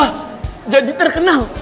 gue jadi terkenal